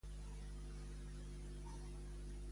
Què van fer Oreb i Zeeb?